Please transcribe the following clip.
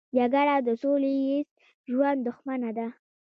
جګړه د سوله ییز ژوند دښمنه ده